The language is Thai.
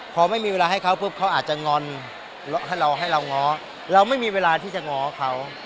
พอไม่มีเวลาให้เขาปุ๊บเขาอาจจะงอนให้เราให้เราง้อเราไม่มีเวลาที่จะง้อเขา